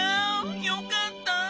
よかった！